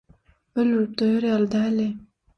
Öldürip doýar ýaly däldi.